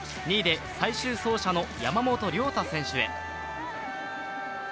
２位で最終走者の山本涼太選手へ。